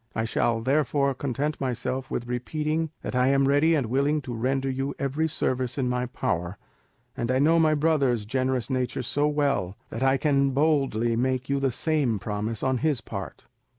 I shall therefore content myself with repeating that I am ready and willing to render you every service in my power, and I know my brother's generous nature so well, that I can boldly make you the same promise on his part.